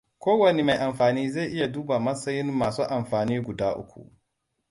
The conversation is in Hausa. Kowanne mai amfani zai iya duba matsayin masu amfani guda uku.